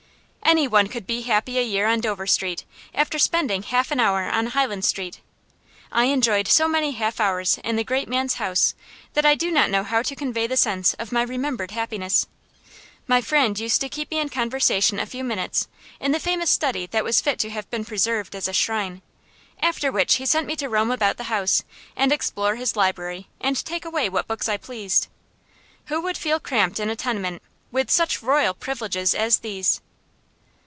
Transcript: Any one could be happy a year on Dover Street, after spending half an hour on Highland Street. I enjoyed so many half hours in the great man's house that I do not know how to convey the sense of my remembered happiness. My friend used to keep me in conversation a few minutes, in the famous study that was fit to have been preserved as a shrine; after which he sent me to roam about the house, and explore his library, and take away what books I pleased. Who would feel cramped in a tenement, with such royal privileges as these?